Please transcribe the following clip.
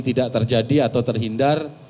tidak terjadi atau terhindar